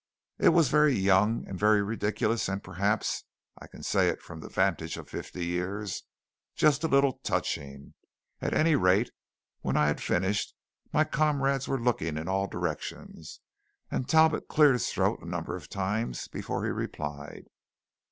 It was very young, and very ridiculous and perhaps (I can say it from the vantage of fifty years) just a little touching. At any rate, when I had finished, my comrades were looking in all directions, and Talbot cleared his throat a number of times before he replied.